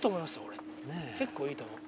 結構イイと思う。